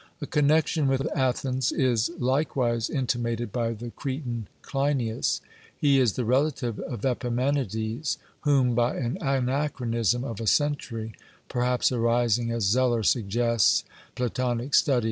A connexion with Athens is likewise intimated by the Cretan Cleinias. He is the relative of Epimenides, whom, by an anachronism of a century, perhaps arising as Zeller suggests (Plat. Stud.)